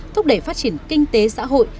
thúc đẩy phát triển kinh tế xã hội